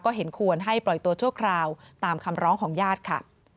ก็เห็นควรให้ปล่อยตัวชั่วคราวตามคำร้องของญาติค่ะ